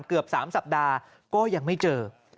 เกือบ๓สัปดาห์ก็ยังไม่เจอ